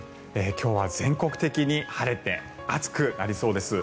今日は全国的に晴れて暑くなりそうです。